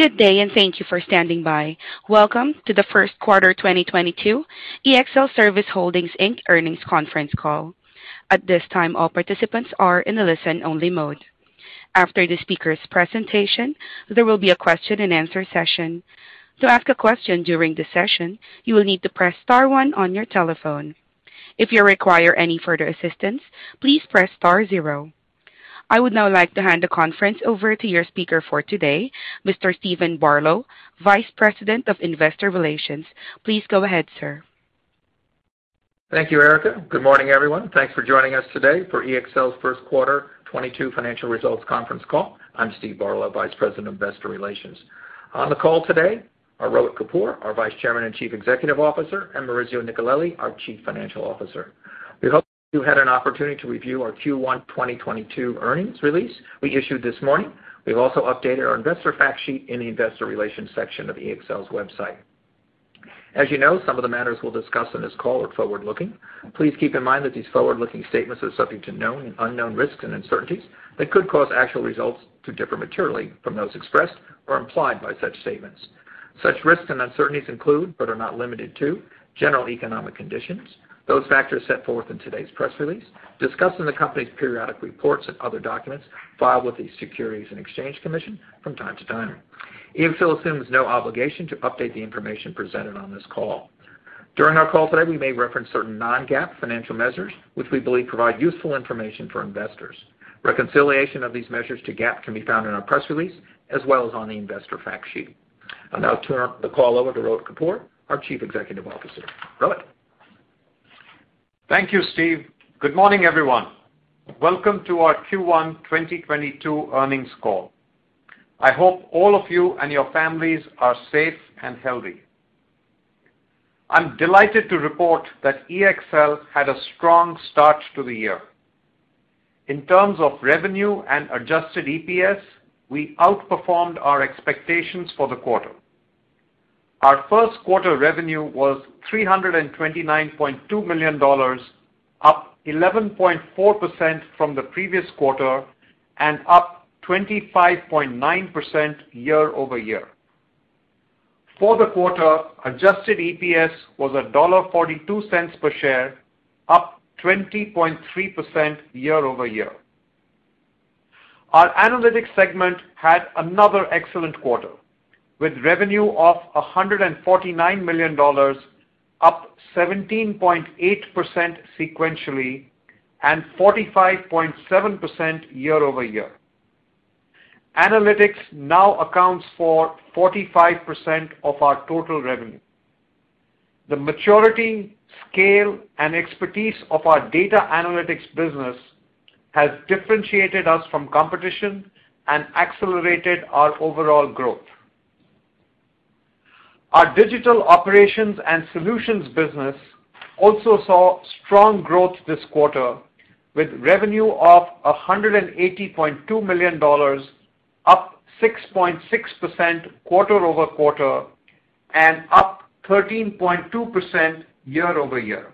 Good day, and thank you for standing by. Welcome to the first quarter 2022 ExlService Holdings, Inc. earnings conference call. At this time, all participants are in a listen-only mode. After the speaker's presentation, there will be a question-and-answer session. To ask a question during the session, you will need to press star one on your telephone. If you require any further assistance, please press star zero. I would now like to hand the conference over to your speaker for today, Mr. Steven Barlow, Vice President of Investor Relations. Please go ahead, sir. Thank you, Erica. Good morning, everyone. Thanks for joining us today for EXL's first quarter 2022 financial results conference call. I'm Steve Barlow, Vice President of Investor Relations. On the call today are Rohit Kapoor, our Vice Chairman and Chief Executive Officer, and Maurizio Nicolelli, our Chief Financial Officer. We hope you had an opportunity to review our Q1 2022 earnings release we issued this morning. We've also updated our investor fact sheet in the investor relations section of EXL's website. As you know, some of the matters we'll discuss on this call are forward-looking. Please keep in mind that these forward-looking statements are subject to known and unknown risks and uncertainties that could cause actual results to differ materially from those expressed or implied by such statements. Such risks and uncertainties include, but are not limited to general economic conditions, those factors set forth in today's press release, discussed in the company's periodic reports and other documents filed with the Securities and Exchange Commission from time to time. EXL assumes no obligation to update the information presented on this call. During our call today, we may reference certain non-GAAP financial measures which we believe provide useful information for investors. Reconciliation of these measures to GAAP can be found in our press release as well as on the investor fact sheet. I'll now turn the call over to Rohit Kapoor, our Chief Executive Officer. Rohit? Thank you, Steve. Good morning, everyone. Welcome to our Q1 2022 earnings call. I hope all of you and your families are safe and healthy. I'm delighted to report that EXL had a strong start to the year. In terms of revenue and adjusted EPS, we outperformed our expectations for the quarter. Our first quarter revenue was $329.2 million, up 11.4% from the previous quarter and up 25.9% year-over-year. For the quarter, adjusted EPS was $1.42 per share, up 20.3% year-over-year. Our analytics segment had another excellent quarter, with revenue of $149 million, up 17.8% sequentially and 45.7% year-over-year. Analytics now accounts for 45% of our total revenue. The maturity, scale, and expertise of our data analytics business has differentiated us from competition and accelerated our overall growth. Our digital operations and solutions business also saw strong growth this quarter, with revenue of $180.2 million, up 6.6% quarter-over-quarter and up 13.2% year-over-year.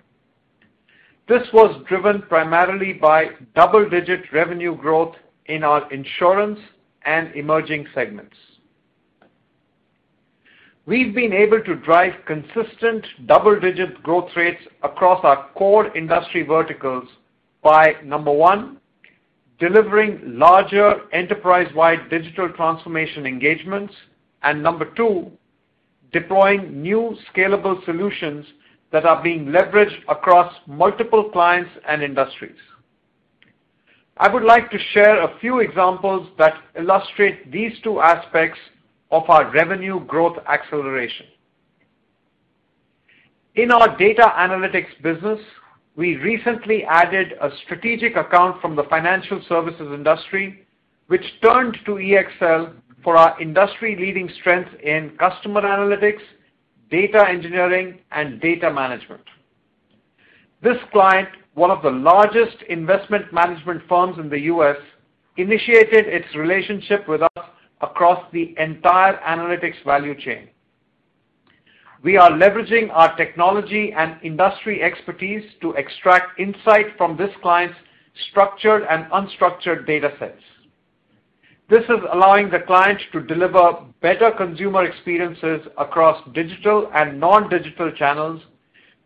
This was driven primarily by double-digit revenue growth in our insurance and emerging segments. We've been able to drive consistent double-digit growth rates across our core industry verticals by, number one, delivering larger enterprise-wide digital transformation engagements, and number two, deploying new scalable solutions that are being leveraged across multiple clients and industries. I would like to share a few examples that illustrate these two aspects of our revenue growth acceleration. In our data analytics business, we recently added a strategic account from the financial services industry, which turned to EXL for our industry-leading strength in customer analytics, data engineering, and data management. This client, one of the largest investment management firms in the U.S., initiated its relationship with us across the entire analytics value chain. We are leveraging our technology and industry expertise to extract insight from this client's structured and unstructured datasets. This is allowing the client to deliver better consumer experiences across digital and non-digital channels,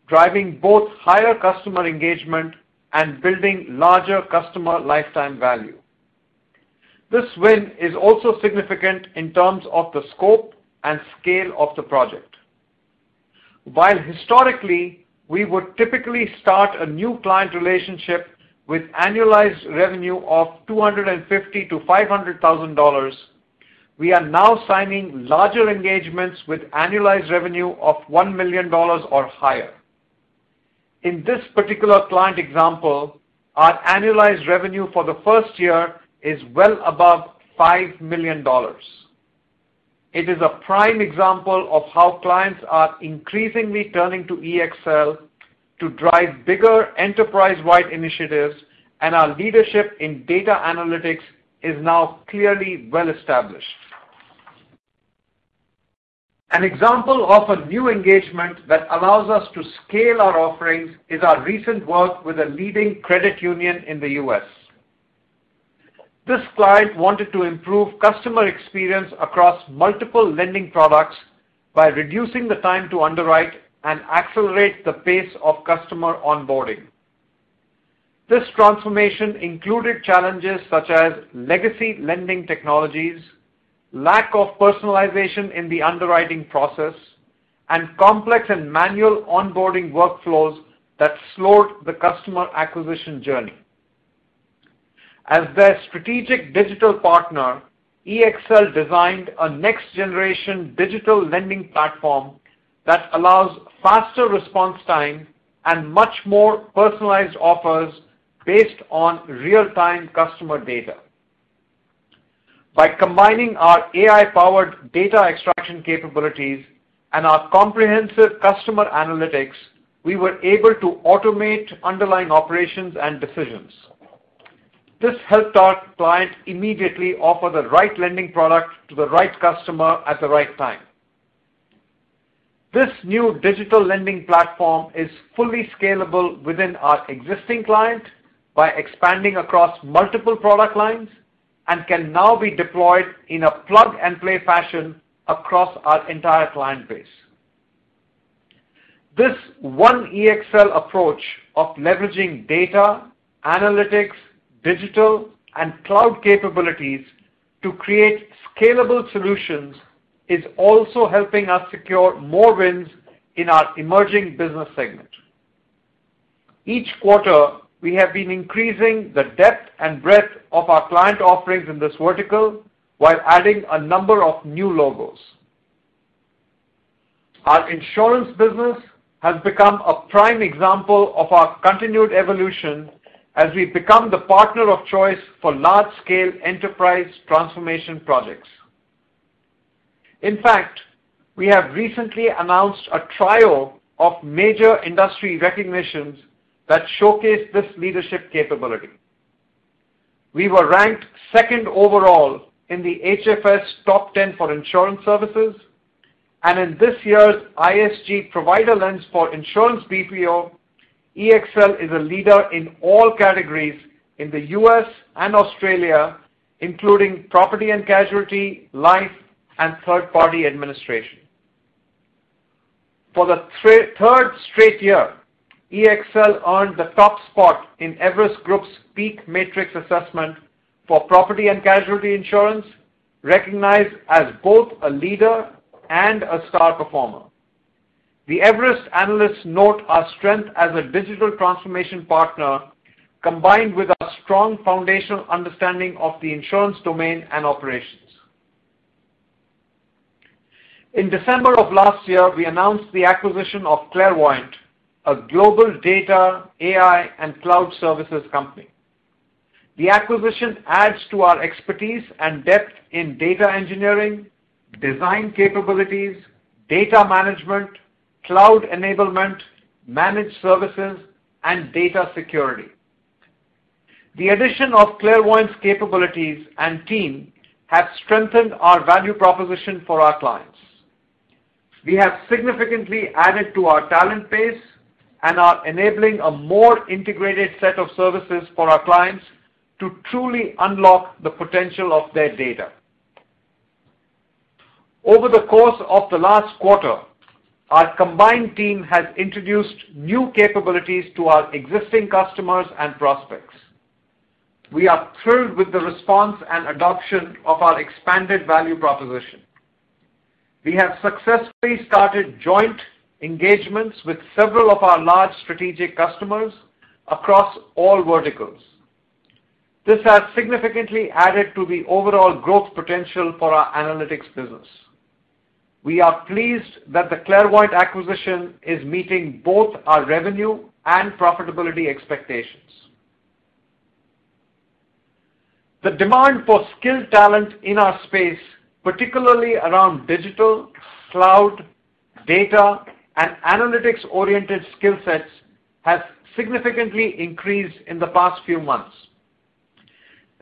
driving both higher customer engagement and building larger customer lifetime value. This win is also significant in terms of the scope and scale of the project. While historically, we would typically start a new client relationship with annualized revenue of $250,000-$500,000, we are now signing larger engagements with annualized revenue of $1 million or higher. In this particular client example, our annualized revenue for the first year is well above $5 million. It is a prime example of how clients are increasingly turning to EXL to drive bigger enterprise-wide initiatives, and our leadership in data analytics is now clearly well-established. An example of a new engagement that allows us to scale our offerings is our recent work with a leading credit union in the U.S. This client wanted to improve customer experience across multiple lending products by reducing the time to underwrite and accelerate the pace of customer onboarding. This transformation included challenges such as legacy lending technologies, lack of personalization in the underwriting process, and complex and manual onboarding workflows that slowed the customer acquisition journey. As their strategic digital partner, EXL designed a next-generation digital lending platform that allows faster response time and much more personalized offers based on real-time customer data. By combining our AI-powered data extraction capabilities and our comprehensive customer analytics, we were able to automate underlying operations and decisions. This helped our client immediately offer the right lending product to the right customer at the right time. This new digital lending platform is fully scalable within our existing client by expanding across multiple product lines and can now be deployed in a plug-and-play fashion across our entire client base. This one EXL approach of leveraging data, analytics, digital, and cloud capabilities to create scalable solutions is also helping us secure more wins in our emerging business segment. Each quarter, we have been increasing the depth and breadth of our client offerings in this vertical while adding a number of new logos. Our insurance business has become a prime example of our continued evolution as we become the partner of choice for large-scale enterprise transformation projects. In fact, we have recently announced a total of major industry recognitions that showcase this leadership capability. We were ranked second overall in the HFS Top 10 for Insurance Services, and in this year's ISG Provider Lens for Insurance BPO, EXL is a leader in all categories in the U.S. and Australia, including property and casualty, life, and third-party administration. For the third straight year, EXL earned the top spot in Everest Group's PEAK Matrix assessment for property and casualty insurance, recognized as both a leader and a star performer. The Everest analysts note our strength as a digital transformation partner, combined with our strong foundational understanding of the insurance domain and operations. In December of last year, we announced the acquisition of Clairvoyant, a global data, AI, and cloud services company. The acquisition adds to our expertise and depth in data engineering, design capabilities, data management, cloud enablement, managed services, and data security. The addition of Clairvoyant's capabilities and team have strengthened our value proposition for our clients. We have significantly added to our talent base and are enabling a more integrated set of services for our clients to truly unlock the potential of their data. Over the course of the last quarter, our combined team has introduced new capabilities to our existing customers and prospects. We are thrilled with the response and adoption of our expanded value proposition. We have successfully started joint engagements with several of our large strategic customers across all verticals. This has significantly added to the overall growth potential for our analytics business. We are pleased that the Clairvoyant acquisition is meeting both our revenue and profitability expectations. The demand for skilled talent in our space, particularly around digital, cloud, data, and analytics-oriented skill sets, has significantly increased in the past few months.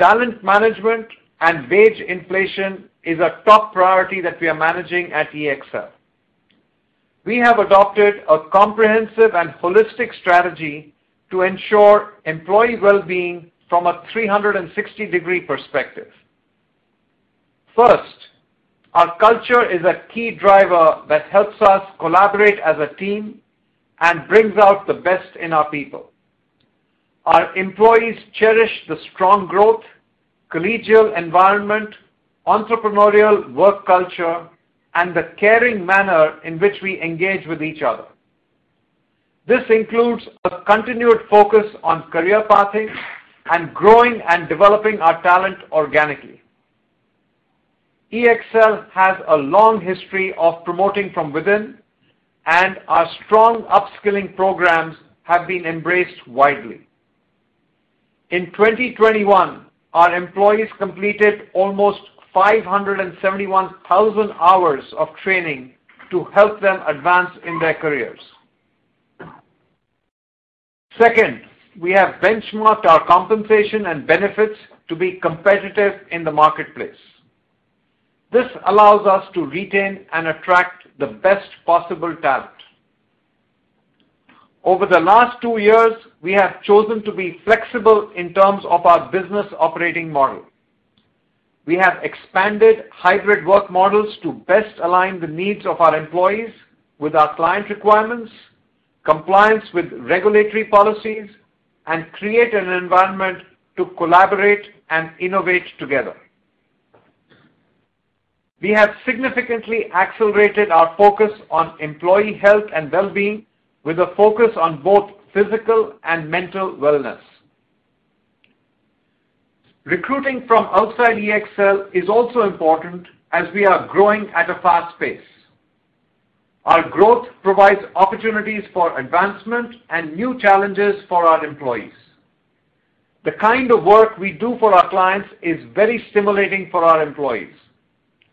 Talent management and wage inflation is a top priority that we are managing at EXL. We have adopted a comprehensive and holistic strategy to ensure employee well-being from a 360-degree perspective. First, our culture is a key driver that helps us collaborate as a team and brings out the best in our people. Our employees cherish the strong growth, collegial environment, entrepreneurial work culture, and the caring manner in which we engage with each other. This includes a continued focus on career pathing and growing and developing our talent organically. EXL has a long history of promoting from within, and our strong upskilling programs have been embraced widely. In 2021, our employees completed almost 571,000 hours of training to help them advance in their careers. Second, we have benchmarked our compensation and benefits to be competitive in the marketplace. This allows us to retain and attract the best possible talent. Over the last two years, we have chosen to be flexible in terms of our business operating model. We have expanded hybrid work models to best align the needs of our employees with our client requirements, compliance with regulatory policies, and create an environment to collaborate and innovate together. We have significantly accelerated our focus on employee health and well-being with a focus on both physical and mental wellness. Recruiting from outside EXL is also important as we are growing at a fast pace. Our growth provides opportunities for advancement and new challenges for our employees. The kind of work we do for our clients is very stimulating for our employees.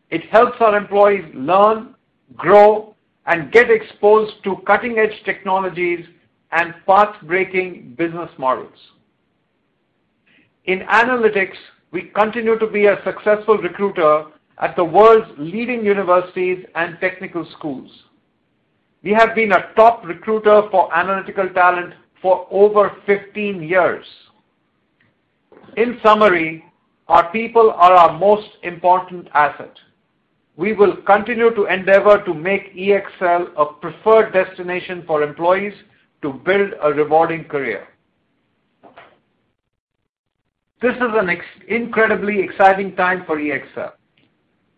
It helps our employees learn, grow, and get exposed to cutting-edge technologies and path-breaking business models. In analytics, we continue to be a successful recruiter at the world's leading universities and technical schools. We have been a top recruiter for analytical talent for over 15 years. In summary, our people are our most important asset. We will continue to endeavor to make EXL a preferred destination for employees to build a rewarding career. This is an incredibly exciting time for EXL.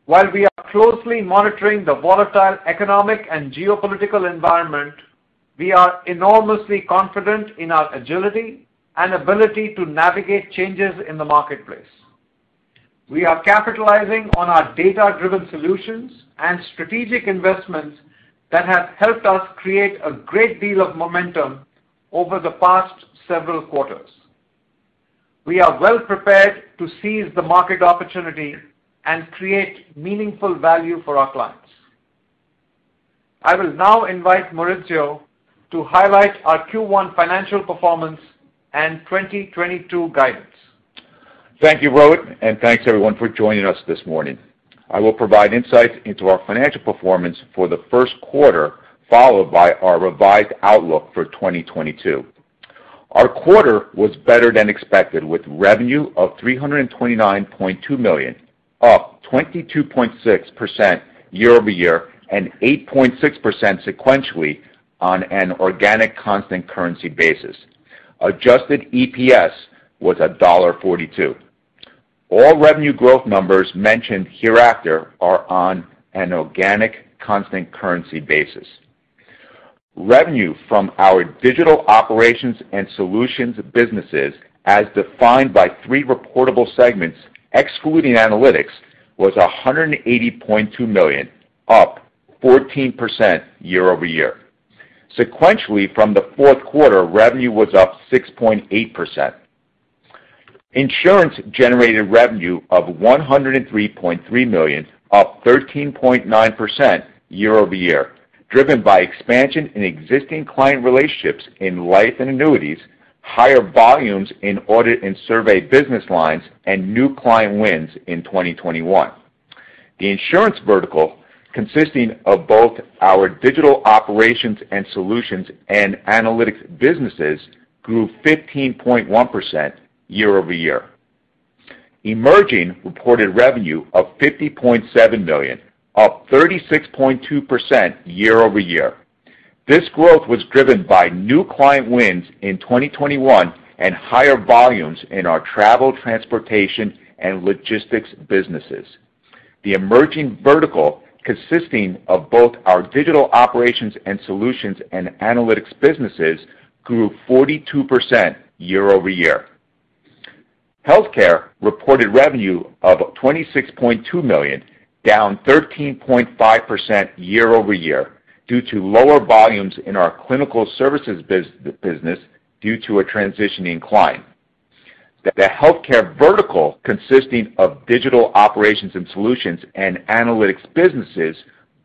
While we are closely monitoring the volatile economic and geopolitical environment, we are enormously confident in our agility and ability to navigate changes in the marketplace. We are capitalizing on our data-driven solutions and strategic investments that have helped us create a great deal of momentum over the past several quarters. We are well-prepared to seize the market opportunity and create meaningful value for our clients. I will now invite Maurizio to highlight our Q1 financial performance and 2022 guidance. Thank you, Rohit, and thanks, everyone, for joining us this morning. I will provide insights into our financial performance for the first quarter, followed by our revised outlook for 2022. Our quarter was better than expected, with revenue of $329.2 million, up 22.6% year-over-year and 8.6% sequentially on an organic constant currency basis. Adjusted EPS was $1.42. All revenue growth numbers mentioned hereafter are on an organic constant currency basis. Revenue from our digital operations and solutions businesses, as defined by three reportable segments excluding analytics, was $180.2 million, up 14% year-over-year. Sequentially from the fourth quarter, revenue was up 6.8%. Insurance generated revenue of $103.3 million, up 13.9% year-over-year, driven by expansion in existing client relationships in life and annuities, higher volumes in audit and survey business lines, and new client wins in 2021. The insurance vertical, consisting of both our digital operations and solutions and analytics businesses, grew 15.1% year-over-year. Emerging reported revenue of $50.7 million, up 36.2% year-over-year. This growth was driven by new client wins in 2021 and higher volumes in our travel, transportation, and logistics businesses. The emerging vertical, consisting of both our digital operations and solutions and analytics businesses, grew 42% year-over-year. Healthcare reported revenue of $26.2 million, down 13.5% year-over-year due to lower volumes in our clinical services business due to a transitioning client. The healthcare vertical, consisting of digital operations and solutions and analytics businesses,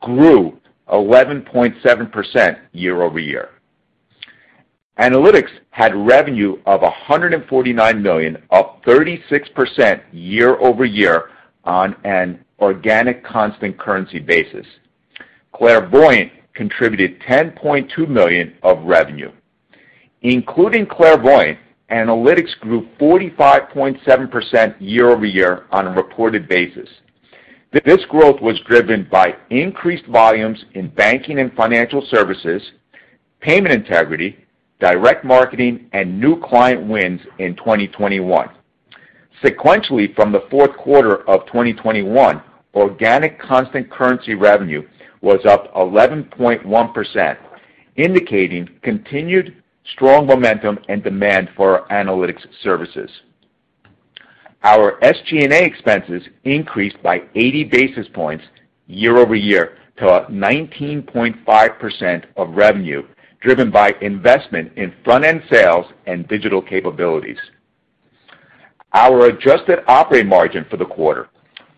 grew 11.7% year-over-year. Analytics had revenue of $149 million, up 36% year-over-year on an organic constant currency basis. Clairvoyant contributed $10.2 million of revenue. Including Clairvoyant, analytics grew 45.7% year-over-year on a reported basis. This growth was driven by increased volumes in banking and financial services, payment integrity, direct marketing, and new client wins in 2021. Sequentially, from the fourth quarter of 2021, organic constant currency revenue was up 11.1%, indicating continued strong momentum and demand for our analytics services. Our SG&A expenses increased by 80 basis points year-over-year to 19.5% of revenue, driven by investment in front-end sales and digital capabilities. Our adjusted operating margin for the quarter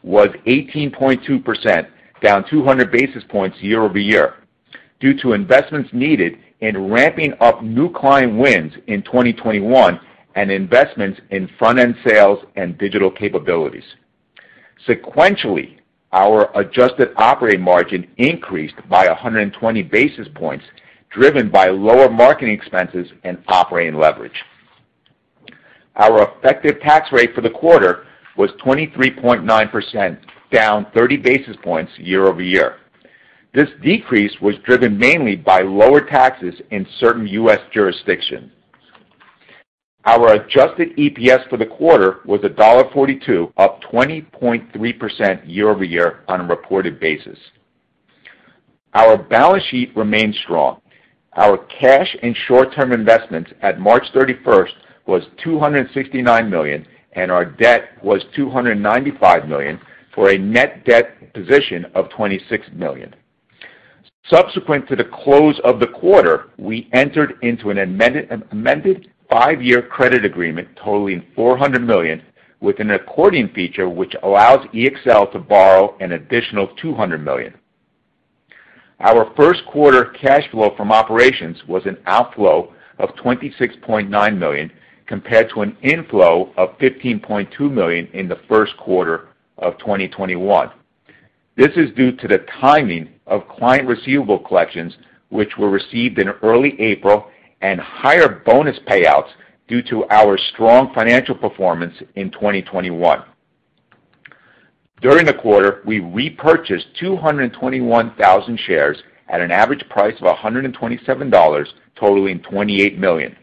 was 18.2%, down 200 basis points year-over-year due to investments needed in ramping up new client wins in 2021 and investments in front-end sales and digital capabilities. Sequentially, our adjusted operating margin increased by 120 basis points, driven by lower marketing expenses and operating leverage. Our effective tax rate for the quarter was 23.9%, down 30 basis points year-over-year. This decrease was driven mainly by lower taxes in certain U.S. jurisdictions. Our adjusted EPS for the quarter was $1.42, up 20.3% year-over-year on a reported basis. Our balance sheet remains strong. Our cash and short-term investments at March 31 was $269 million, and our debt was $295 million, for a net debt position of $26 million. Subsequent to the close of the quarter, we entered into an amended five-year credit agreement totaling $400 million with an accordion feature which allows EXL to borrow an additional $200 million. Our first quarter cash flow from operations was an outflow of $26.9 million, compared to an inflow of $15.2 million in the first quarter of 2021. This is due to the timing of client receivable collections, which were received in early April, and higher bonus payouts due to our strong financial performance in 2021. During the quarter, we repurchased 221,000 shares at an average price of $127, totaling $28 million.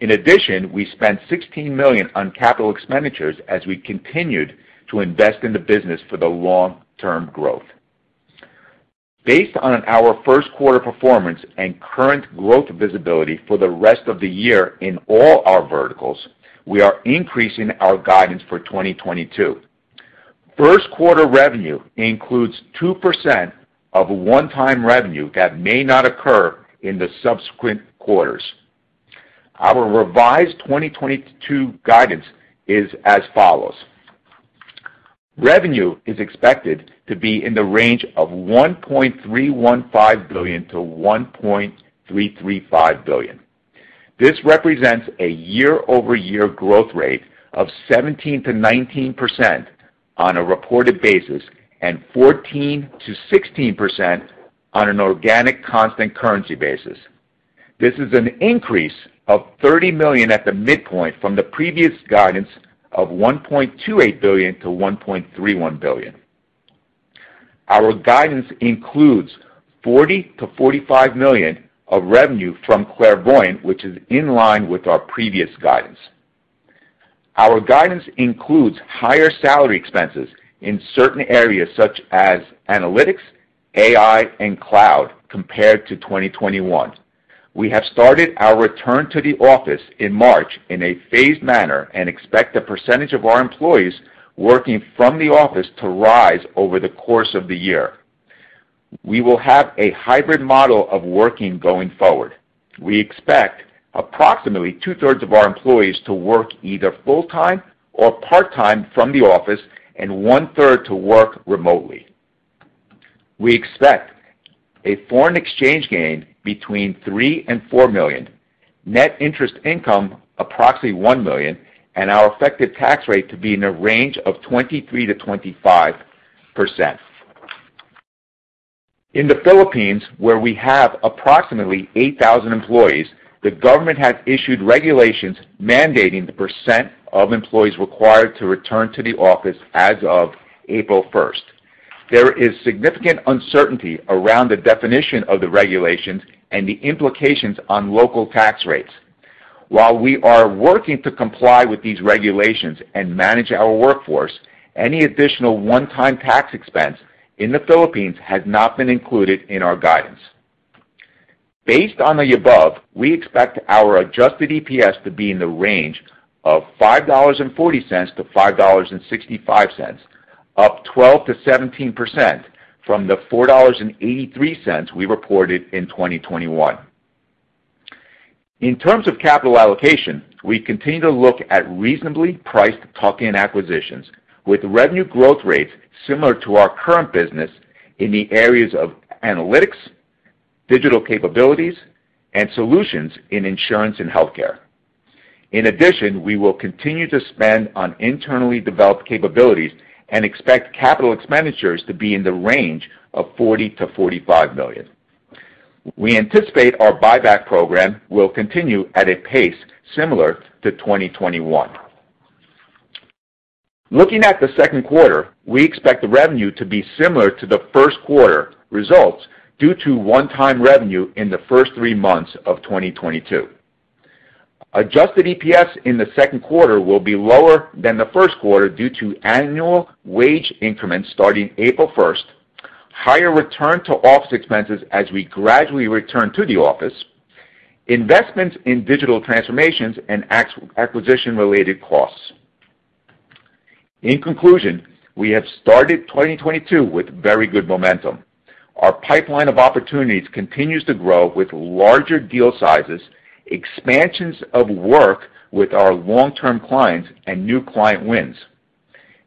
In addition, we spent $16 million on capital expenditures as we continued to invest in the business for the long-term growth. Based on our first quarter performance and current growth visibility for the rest of the year in all our verticals, we are increasing our guidance for 2022. First quarter revenue includes 2% of one-time revenue that may not occur in the subsequent quarters. Our revised 2022 guidance is as follows. Revenue is expected to be in the range of $1.315 billion-$1.335 billion. This represents a year-over-year growth rate of 17%-19% on a reported basis and 14%-16% on an organic constant currency basis. This is an increase of $30 million at the midpoint from the previous guidance of $1.28 billion-$1.31 billion. Our guidance includes $40-$45 million of revenue from Clairvoyant, which is in line with our previous guidance. Our guidance includes higher salary expenses in certain areas such as analytics, AI, and cloud compared to 2021. We have started our return to the office in March in a phased manner and expect the percentage of our employees working from the office to rise over the course of the year. We will have a hybrid model of working going forward. We expect approximately two-thirds of our employees to work either full-time or part-time from the office and one-third to work remotely. We expect a foreign exchange gain between $3 million and $4 million, net interest income approximately $1 million, and our effective tax rate to be in the range of 23%-25%. In the Philippines, where we have approximately 8,000 employees, the government has issued regulations mandating the percentage of employees required to return to the office as of April 1st. There is significant uncertainty around the definition of the regulations and the implications on local tax rates. While we are working to comply with these regulations and manage our workforce, any additional one-time tax expense in the Philippines has not been included in our guidance. Based on the above, we expect our adjusted EPS to be in the range of $5.40-$5.65, up 12%-17% from the $4.83 we reported in 2021. In terms of capital allocation, we continue to look at reasonably priced tuck-in acquisitions with revenue growth rates similar to our current business in the areas of analytics, digital capabilities, and solutions in insurance and healthcare. In addition, we will continue to spend on internally developed capabilities and expect capital expenditures to be in the range of $40 million-$45 million. We anticipate our buyback program will continue at a pace similar to 2021. Looking at the second quarter, we expect the revenue to be similar to the first quarter results due to one-time revenue in the first three months of 2022. Adjusted EPS in the second quarter will be lower than the first quarter due to annual wage increments starting April 1st, higher return to office expenses as we gradually return to the office, investments in digital transformations, and acquisition-related costs. In conclusion, we have started 2022 with very good momentum. Our pipeline of opportunities continues to grow with larger deal sizes, expansions of work with our long-term clients and new client wins.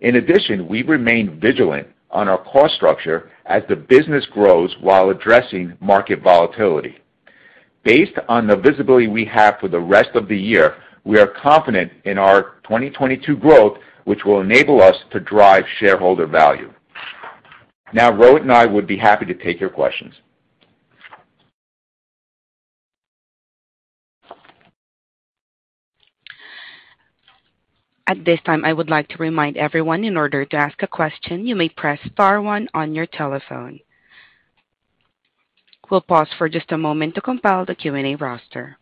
In addition, we remain vigilant on our cost structure as the business grows while addressing market volatility. Based on the visibility we have for the rest of the year, we are confident in our 2022 growth, which will enable us to drive shareholder value. Now, Rohit and I would be happy to take your questions. At this time, I would like to remind everyone in order to ask a question, you may press star one on your telephone. We'll pause for just a moment to compile the Q&A roster.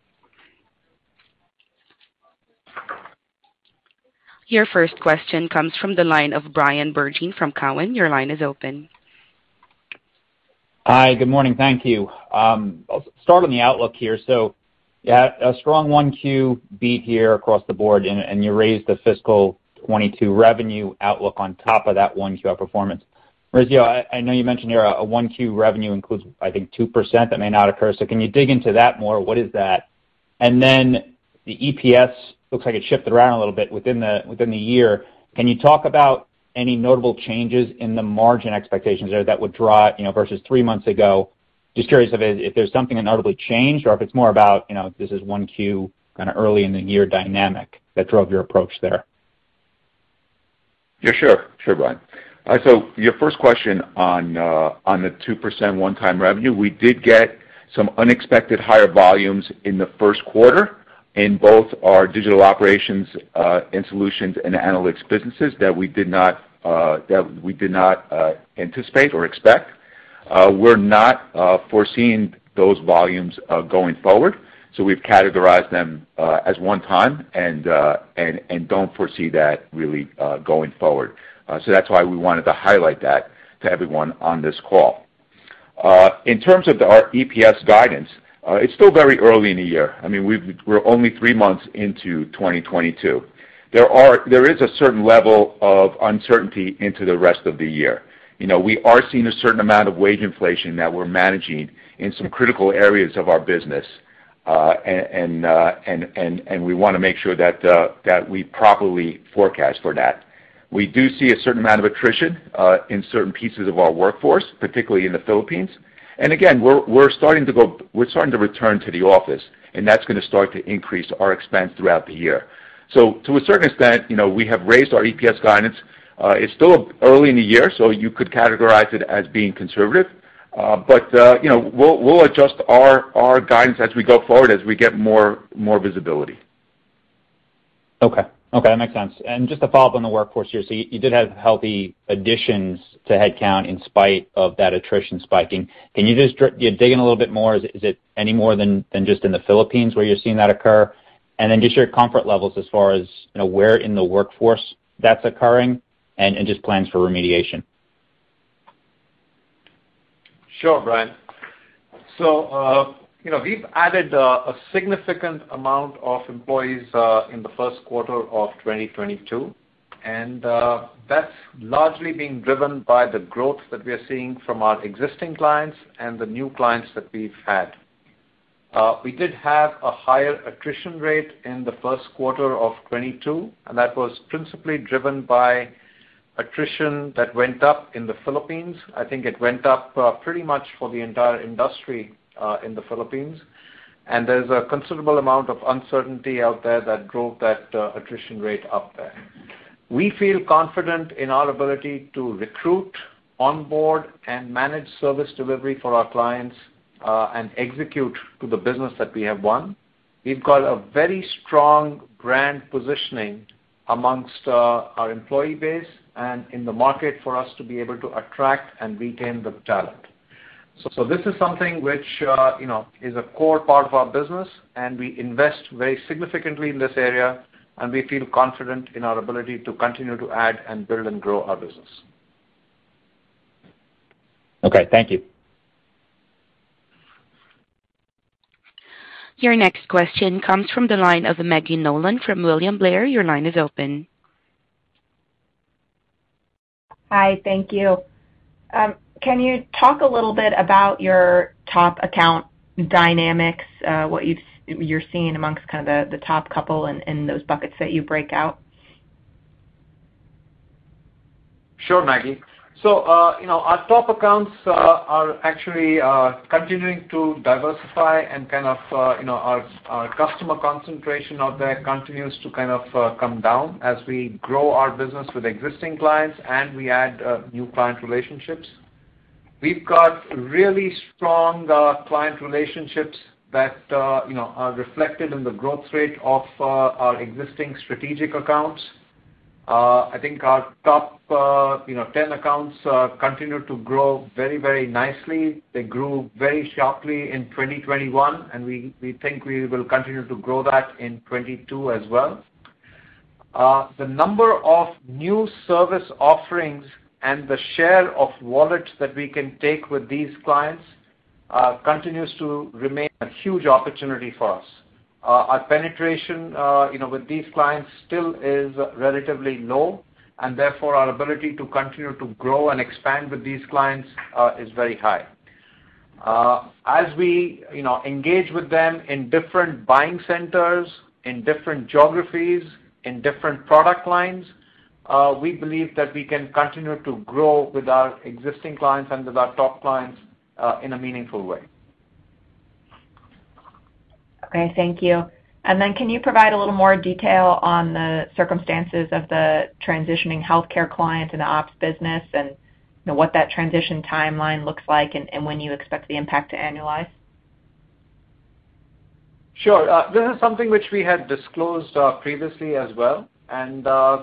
Your first question comes from the line of Bryan Bergin from Cowen. Your line is open. Hi, good morning. Thank you. I'll start on the outlook here. You had a strong 1Q beat here across the board, and you raised the fiscal 2022 revenue outlook on top of that 1Q outperformance. Maurizio, I know you mentioned your 1Q revenue includes, I think, 2% that may not occur. Can you dig into that more? What is that? And then the EPS looks like it shifted around a little bit within the year. Can you talk about any notable changes in the margin expectations there that would differ, you know, versus three months ago? Just curious if there's something that notably changed or if it's more about, you know, this is 1Q kinda early in the year dynamic that drove your approach there. Yeah, sure. Sure, Bryan. Your first question on the 2% one-time revenue. We did get some unexpected higher volumes in the first quarter in both our digital operations and solutions and analytics businesses that we did not anticipate or expect. We're not foreseeing those volumes going forward. We've categorized them as one-time and don't foresee that really going forward. That's why we wanted to highlight that to everyone on this call. In terms of our EPS guidance, it's still very early in the year. I mean, we're only three months into 2022. There is a certain level of uncertainty into the rest of the year. You know, we are seeing a certain amount of wage inflation that we're managing in some critical areas of our business, and we wanna make sure that we properly forecast for that. We do see a certain amount of attrition in certain pieces of our workforce, particularly in the Philippines. Again, we're starting to return to the office, and that's gonna start to increase our expense throughout the year. To a certain extent, you know, we have raised our EPS guidance. It's still early in the year, so you could categorize it as being conservative. You know, we'll adjust our guidance as we go forward as we get more visibility. Okay. Okay, that makes sense. Just to follow up on the workforce here. You did have healthy additions to headcount in spite of that attrition spiking. Can you just dig in a little bit more? Is it any more than just in the Philippines where you're seeing that occur? Then just your comfort levels as far as you know, where in the workforce that's occurring and just plans for remediation. Sure, Bryan. You know, we've added a significant amount of employees in the first quarter of 2022, and that's largely being driven by the growth that we are seeing from our existing clients and the new clients that we've had. We did have a higher attrition rate in the first quarter of 2022, and that was principally driven by attrition that went up in the Philippines. I think it went up pretty much for the entire industry in the Philippines. There's a considerable amount of uncertainty out there that drove that attrition rate up there. We feel confident in our ability to recruit, onboard, and manage service delivery for our clients and execute to the business that we have won. We've got a very strong brand positioning among our employee base and in the market for us to be able to attract and retain the talent. This is something which, you know, is a core part of our business, and we invest very significantly in this area, and we feel confident in our ability to continue to add and build and grow our business. Okay, thank you. Your next question comes from the line of Maggie Nolan from William Blair. Your line is open. Hi, thank you. Can you talk a little bit about your top account dynamics, what you're seeing amongst kind of the top couple in those buckets that you break out? Sure, Maggie. You know, our top accounts are actually continuing to diversify and kind of, you know, our customer concentration out there continues to kind of come down as we grow our business with existing clients and we add new client relationships. We've got really strong client relationships that you know are reflected in the growth rate of our existing strategic accounts. I think our top you know 10 accounts continue to grow very, very nicely. They grew very sharply in 2021, and we think we will continue to grow that in 2022 as well. The number of new service offerings and the share of wallet that we can take with these clients continues to remain a huge opportunity for us. Our penetration, you know, with these clients still is relatively low, and therefore, our ability to continue to grow and expand with these clients is very high. As we, you know, engage with them in different buying centers, in different geographies, in different product lines, we believe that we can continue to grow with our existing clients and with our top clients in a meaningful way. Okay. Thank you. Can you provide a little more detail on the circumstances of the transitioning healthcare client in the ops business and, you know, what that transition timeline looks like and when you expect the impact to annualize? Sure. This is something which we had disclosed previously as well.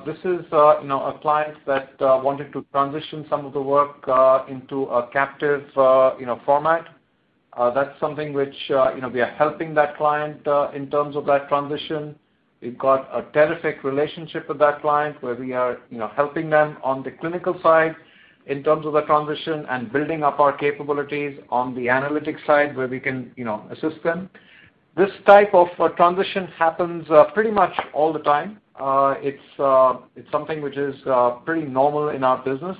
This is, you know, a client that wanted to transition some of the work into a captive, you know, format. That's something which, you know, we are helping that client in terms of that transition. We've got a terrific relationship with that client where we are, you know, helping them on the clinical side in terms of the transition and building up our capabilities on the analytics side where we can, you know, assist them. This type of transition happens pretty much all the time. It's something which is pretty normal in our business.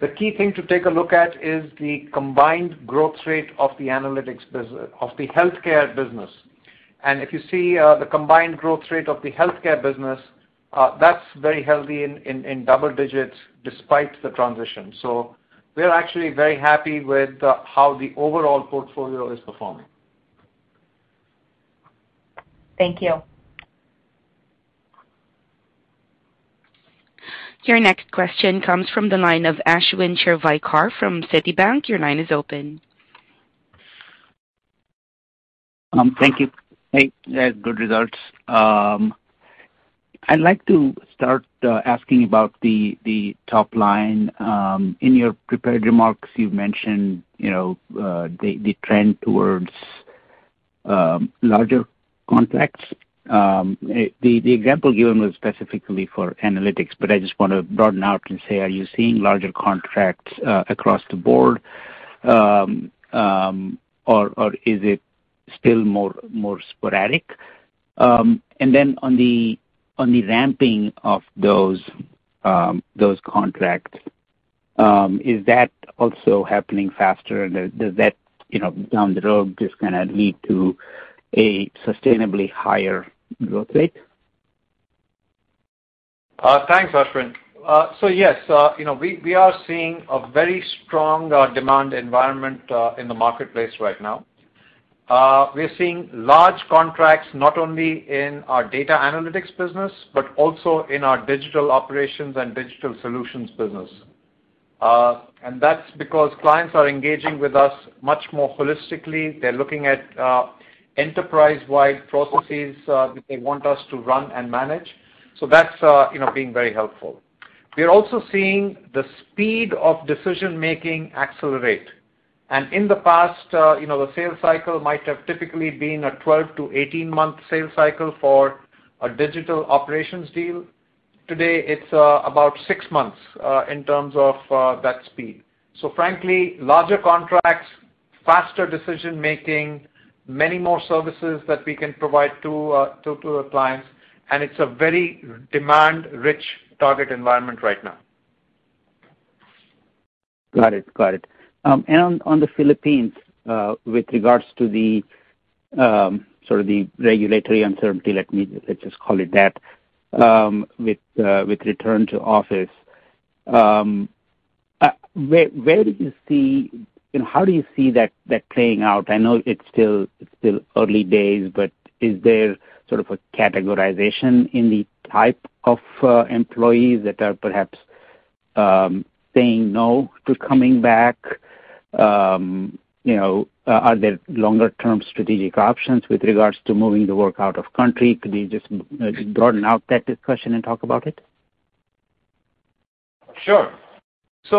The key thing to take a look at is the combined growth rate of the analytics business of the healthcare business. If you see, the combined growth rate of the healthcare business, that's very healthy in double digits despite the transition. We're actually very happy with how the overall portfolio is performing. Thank you. Your next question comes from the line of Ashwin Shirvaikar from Citibank. Your line is open. Thank you. Hey, yeah, good results. I'd like to start asking about the top line. In your prepared remarks, you've mentioned, you know, the trend towards larger contracts. The example given was specifically for analytics, but I just wanna broaden out and say, are you seeing larger contracts across the board? Or is it still more sporadic? And then on the ramping of those contracts, is that also happening faster? And does that, you know, down the road just gonna lead to a sustainably higher growth rate? Thanks, Ashwin. Yes, you know, we are seeing a very strong demand environment in the marketplace right now. We're seeing large contracts not only in our data analytics business but also in our digital operations and digital solutions business. That's because clients are engaging with us much more holistically. They're looking at enterprise-wide processes that they want us to run and manage. That's been very helpful. We're also seeing the speed of decision-making accelerate. In the past, you know, the sales cycle might have typically been a 12- to 18-month sales cycle for a digital operations deal. Today, it's about six months in terms of that speed. Frankly, larger contracts, faster decision-making, many more services that we can provide to our clients, and it's a very demand-rich target environment right now. Got it. On the Philippines, with regards to the sort of the regulatory uncertainty, let's just call it that, with return to office, you know, how do you see that playing out? I know it's still early days, but is there sort of a categorization in the type of employees that are perhaps saying no to coming back? You know, are there longer-term strategic options with regards to moving the work out of country? Could you just broaden out that discussion and talk about it? Sure. You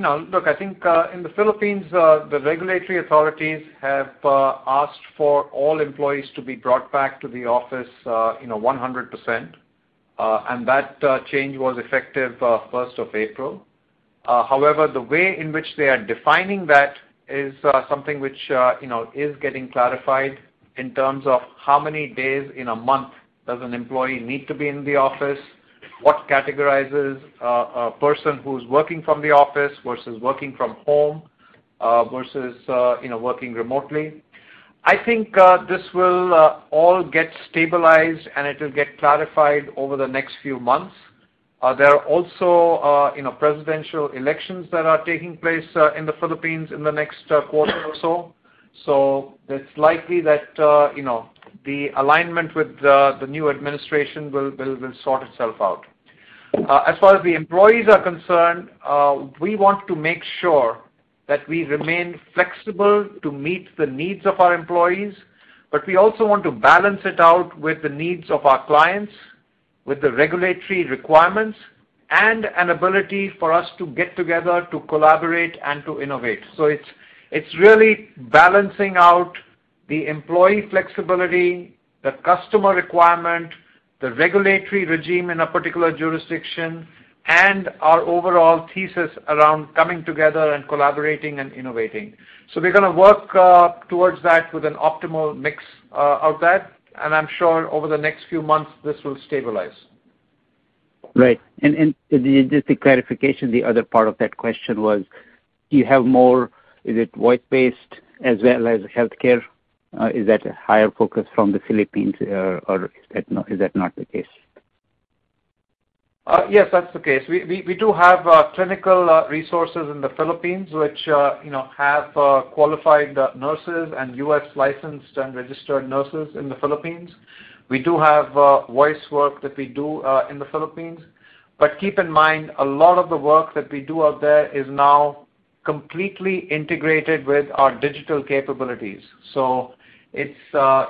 know, look, I think in the Philippines the regulatory authorities have asked for all employees to be brought back to the office, you know, 100%. That change was effective 1st of April. However, the way in which they are defining that is something which, you know, is getting clarified in terms of how many days in a month does an employee need to be in the office, what categorizes a person who's working from the office versus working from home, versus, you know, working remotely. I think this will all get stabilized, and it'll get clarified over the next few months. There are also, you know, presidential elections that are taking place in the Philippines in the next quarter or so. It's likely that, you know, the alignment with the new administration will sort itself out. As far as the employees are concerned, we want to make sure that we remain flexible to meet the needs of our employees, but we also want to balance it out with the needs of our clients, with the regulatory requirements, and an ability for us to get together to collaborate and to innovate. It's really balancing out the employee flexibility, the customer requirement, the regulatory regime in a particular jurisdiction, and our overall thesis around coming together and collaborating and innovating. We're gonna work towards that with an optimal mix of that. I'm sure over the next few months, this will stabilize. Right. Just a clarification, the other part of that question was, is it voice-based as well as healthcare? Is that a higher focus from the Philippines, or is that not the case? Yes, that's the case. We do have clinical resources in the Philippines, which you know have qualified nurses and U.S.-licensed and registered nurses in the Philippines. We do have voice work that we do in the Philippines. But keep in mind, a lot of the work that we do out there is now completely integrated with our digital capabilities. So it's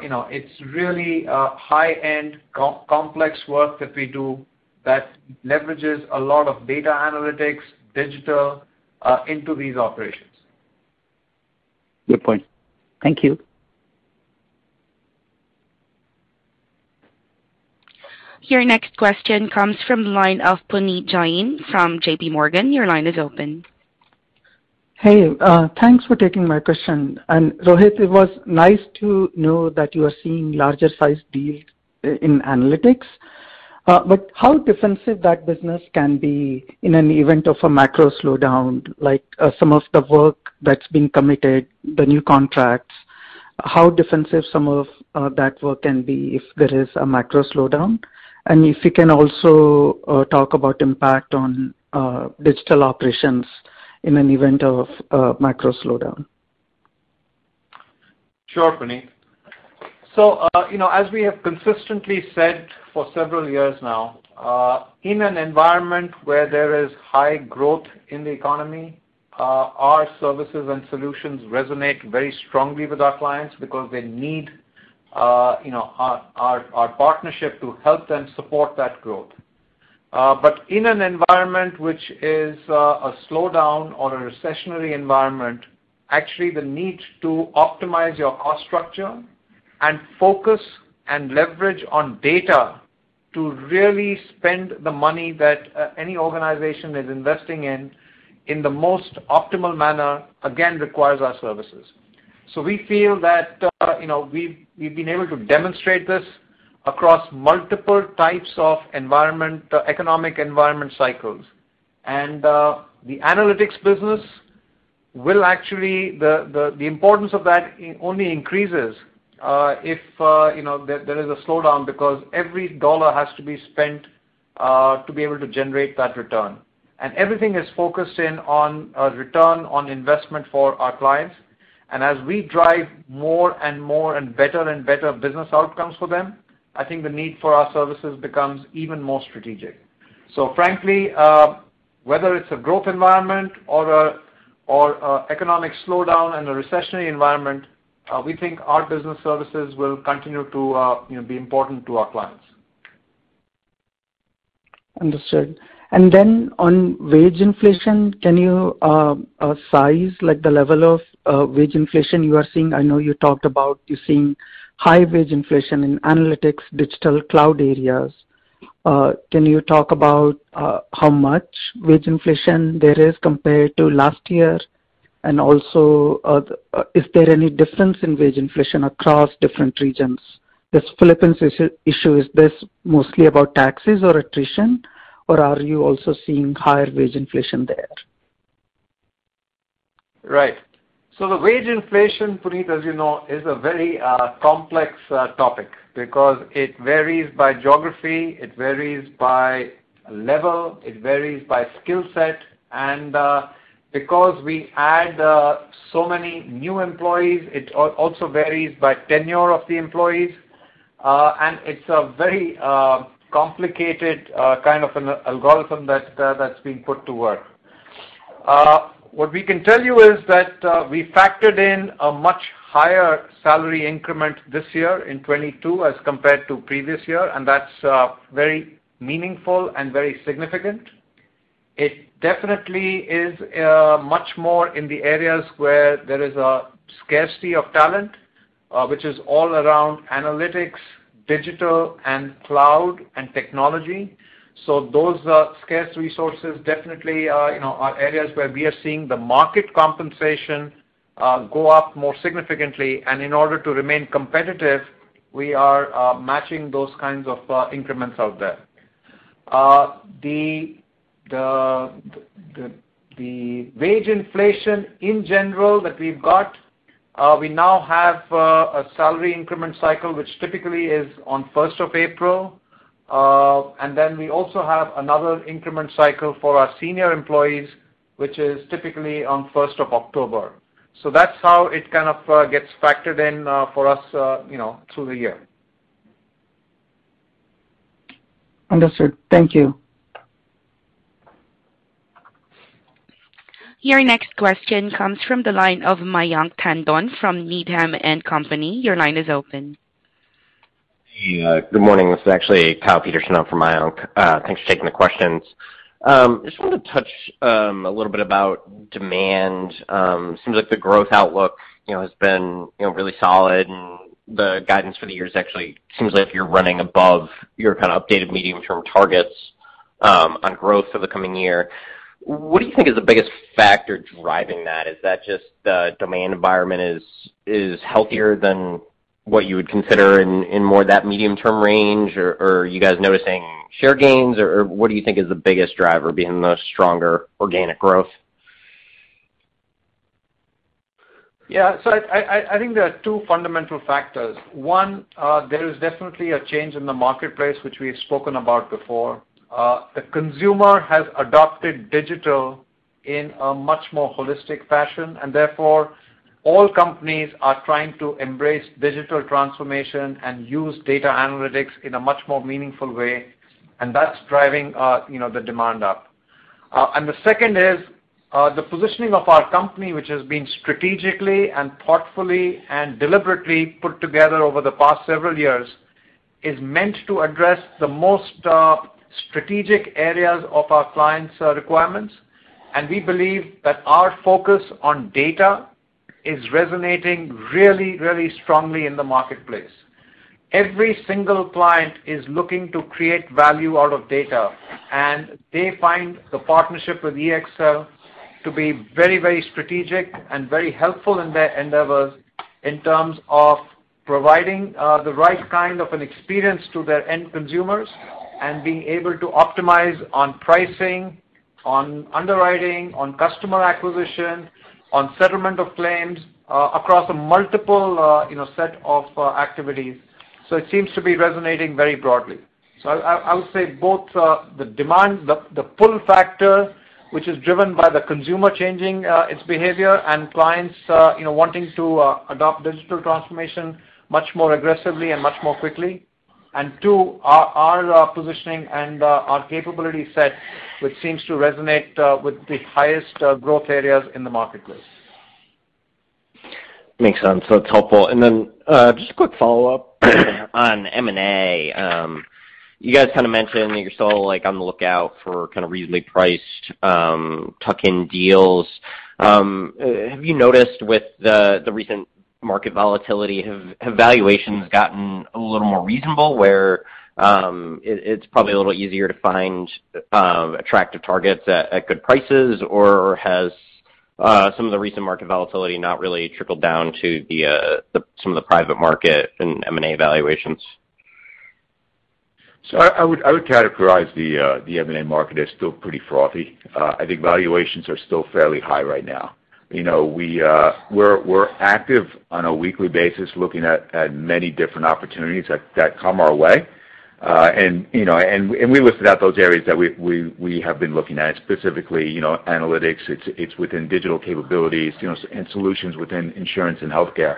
you know it's really high-end complex work that we do that leverages a lot of data analytics, digital into these operations. Good point. Thank you. Your next question comes from the line of Puneet Jain from J.P. Morgan. Your line is open. Hey, thanks for taking my question. Rohit, it was nice to know that you are seeing larger size deals in analytics. But how defensive that business can be in an event of a macro slowdown, like, some of the work that's been committed, the new contracts, how defensive some of that work can be if there is a macro slowdown? If you can also talk about impact on digital operations in an event of a macro slowdown. Sure, Puneet. You know, as we have consistently said for several years now, in an environment where there is high growth in the economy, our services and solutions resonate very strongly with our clients because they need, you know, our partnership to help them support that growth. In an environment which is a slowdown or a recessionary environment, actually the need to optimize your cost structure and focus and leverage on data to really spend the money that any organization is investing in the most optimal manner, again, requires our services. We feel that, you know, we've been able to demonstrate this across multiple types of environment, economic environment cycles. The analytics business will actually... The importance of that only increases, if, you know, there is a slowdown because every dollar has to be spent, to be able to generate that return. Everything is focused in on a return on investment for our clients. As we drive more and more and better and better business outcomes for them, I think the need for our services becomes even more strategic. Frankly, whether it's a growth environment or an economic slowdown and a recessionary environment, we think our business services will continue to, you know, be important to our clients. Understood. On wage inflation, can you size, like, the level of wage inflation you are seeing? I know you talked about you're seeing high wage inflation in analytics, digital cloud areas. Can you talk about how much wage inflation there is compared to last year? Is there any difference in wage inflation across different regions? This Philippines issue, is this mostly about taxes or attrition, or are you also seeing higher wage inflation there? Right. The wage inflation, Puneet, as you know, is a very complex topic because it varies by geography, it varies by level, it varies by skill set. Because we add so many new employees, it also varies by tenure of the employees. It's a very complicated kind of an algorithm that's being put to work. What we can tell you is that we factored in a much higher salary increment this year in 2022 as compared to previous year, and that's very meaningful and very significant. It definitely is much more in the areas where there is a scarcity of talent, which is all around analytics, digital and cloud and technology. Those are scarce resources definitely, you know, are areas where we are seeing the market compensation go up more significantly. In order to remain competitive, we are matching those kinds of increments out there. The wage inflation in general that we've got, we now have a salary increment cycle, which typically is on 1st of April. Then we also have another increment cycle for our senior employees, which is typically on 1st of October. That's how it kind of gets factored in for us, you know, through the year. Understood. Thank you. Your next question comes from the line of Mayank Tandon from Needham & Company. Your line is open. Yeah. Good morning. This is actually Kyle Peterson on from Mayank. Thanks for taking the questions. I just wanna touch a little bit about demand. It seems like the growth outlook, you know, has been, you know, really solid, and the guidance for the year seems like you're running above your kinda updated medium-term targets on growth for the coming year. What do you think is the biggest factor driving that? Is that just the demand environment is healthier than what you would consider in more of that medium-term range or are you guys noticing share gains? Or what do you think is the biggest driver being the stronger organic growth? Yeah. I think there are two fundamental factors. One, there is definitely a change in the marketplace, which we have spoken about before. The consumer has adopted digital in a much more holistic fashion and therefore all companies are trying to embrace digital transformation and use data analytics in a much more meaningful way, and that's driving, you know, the demand up. The second is, the positioning of our company, which has been strategically and thoughtfully and deliberately put together over the past several years, is meant to address the most, strategic areas of our clients' requirements. We believe that our focus on data is resonating really, really strongly in the marketplace. Every single client is looking to create value out of data, and they find the partnership with EXL to be very, very strategic and very helpful in their endeavors in terms of providing the right kind of an experience to their end consumers and being able to optimize on pricing, on underwriting, on customer acquisition, on settlement of claims across a multiple you know set of activities. It seems to be resonating very broadly. I would say both the demand the pull factor, which is driven by the consumer changing its behavior and clients you know wanting to adopt digital transformation much more aggressively and much more quickly, and two, our positioning and our capability set, which seems to resonate with the highest growth areas in the marketplace. Makes sense. It's helpful. Just a quick follow-up on M&A. You guys kinda mentioned that you're still, like, on the lookout for kinda reasonably priced tuck-in deals. Have you noticed with the recent market volatility, have valuations gotten a little more reasonable, where it's probably a little easier to find attractive targets at good prices? Or has some of the recent market volatility not really trickled down to some of the private market and M&A valuations? I would categorize the M&A market as still pretty frothy. I think valuations are still fairly high right now. You know, we're active on a weekly basis looking at many different opportunities that come our way. We listed out those areas that we have been looking at, specifically, you know, analytics. It's within digital capabilities, you know, and solutions within insurance and healthcare.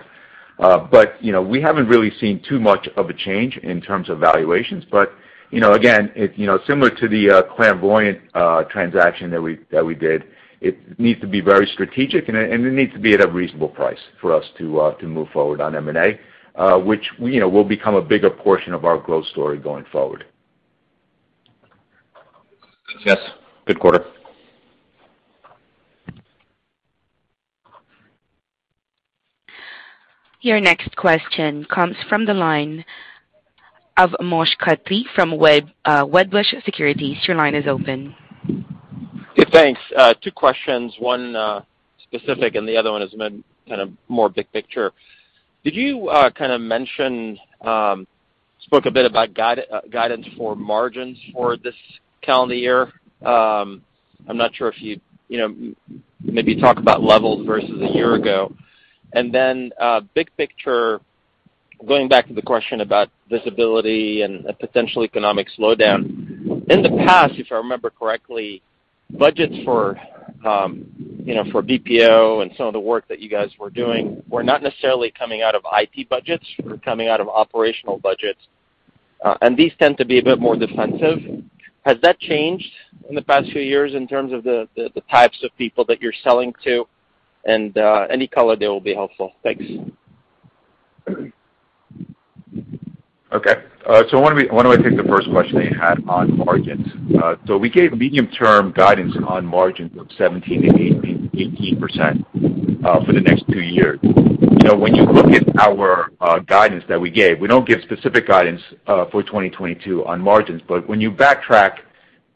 You know, we haven't really seen too much of a change in terms of valuations. You know, again, it's similar to the Clairvoyant transaction that we did. It needs to be very strategic, and it needs to be at a reasonable price for us to move forward on M&A, which, you know, will become a bigger portion of our growth story going forward. Yes. Good quarter. Your next question comes from the line of Moshe Katri from Wedbush Securities. Your line is open. Yeah, thanks. Two questions, one specific and the other one is kind of more big picture. Did you kind of mention, spoke a bit about guidance for margins for this calendar year? I'm not sure if you'd, you know, maybe talk about levels versus a year ago. Then, big picture, going back to the question about visibility and a potential economic slowdown. In the past, if I remember correctly, budgets for, you know, for BPO and some of the work that you guys were doing were not necessarily coming out of IT budgets. They were coming out of operational budgets, and these tend to be a bit more defensive. Has that changed in the past few years in terms of the types of people that you're selling to? Any color there will be helpful. Thanks. Why don't I take the first question that you had on margins? We gave medium-term guidance on margins of 17%-18% for the next two years. You know, when you look at our guidance that we gave, we don't give specific guidance for 2022 on margins. When you backtrack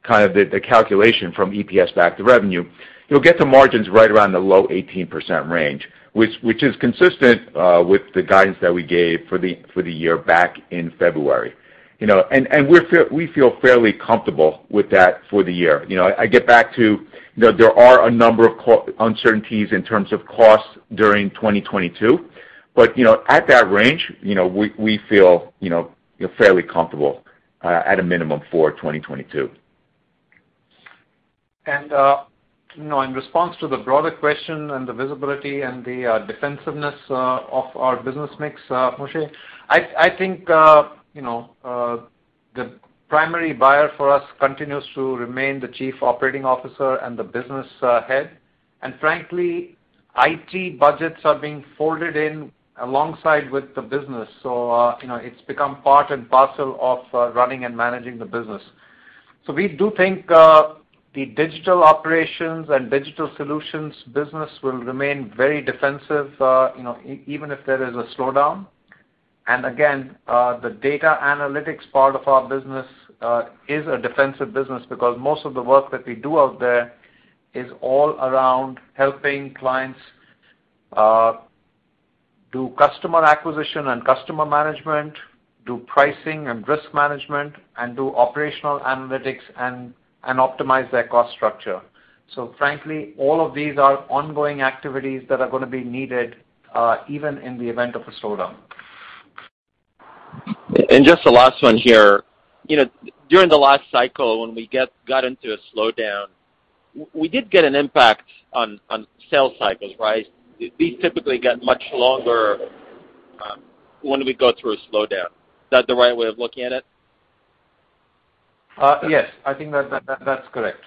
kind of the calculation from EPS back to revenue, you'll get to margins right around the low 18% range, which is consistent with the guidance that we gave for the year back in February. You know, we feel fairly comfortable with that for the year. You know, I get back to, there are a number of uncertainties in terms of costs during 2022. You know, at that range, you know, we feel, you know, fairly comfortable, at a minimum for 2022. You know, in response to the broader question and the visibility and the defensiveness of our business mix, Moshe, I think, you know, the primary buyer for us continues to remain the chief operating officer and the business head. Frankly, IT budgets are being folded in alongside with the business. You know, it's become part and parcel of running and managing the business. We do think the digital operations and digital solutions business will remain very defensive, you know, even if there is a slowdown. Again, the data analytics part of our business is a defensive business because most of the work that we do out there is all around helping clients do customer acquisition and customer management, do pricing and risk management, and do operational analytics and optimize their cost structure. Frankly, all of these are ongoing activities that are gonna be needed even in the event of a slowdown. Just the last one here. You know, during the last cycle, when we got into a slowdown, we did get an impact on sales cycles, right? These typically get much longer, when we go through a slowdown. Is that the right way of looking at it? Yes. I think that's correct.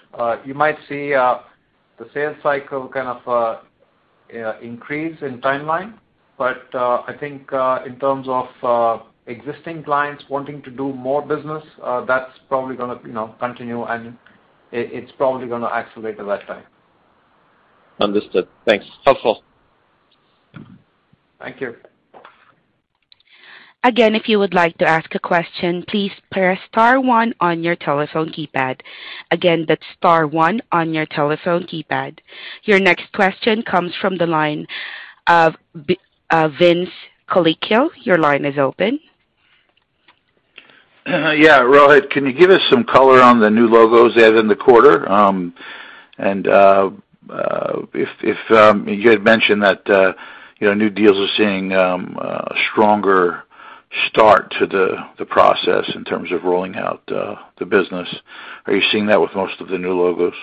You might see the sales cycle kind of increase in timeline, but I think in terms of existing clients wanting to do more business, that's probably gonna, you know, continue, and it's probably gonna accelerate the lifetime. Understood. Thanks. Helpful. Thank you. Again, if you would like to ask a question, please press star one on your telephone keypad. Again, that's star one on your telephone keypad. Your next question comes from the line of Vince Colicchio. Your line is open. Yeah. Rohit, can you give us some color on the new logos they had in the quarter? If you had mentioned that you know new deals are seeing a stronger start to the process in terms of rolling out the business. Are you seeing that with most of the new logos?